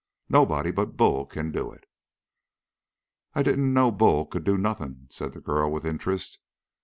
Nobody but Bull can do it." "I didn't know Bull could do nothing," said the girl with interest.